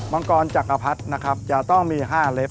มังกรจักรพรรดินะครับจะต้องมี๕เล็บ